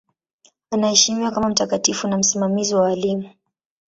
Anaheshimiwa kama mtakatifu na msimamizi wa walimu.